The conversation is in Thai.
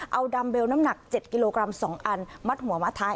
เอาดัมเบลน้ำหนัก๗กิโลกรัม๒อันมัดหัวมัดท้าย